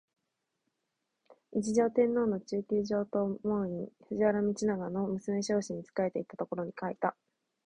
一条天皇の中宮上東門院（藤原道長の娘彰子）に仕えていたころに書いた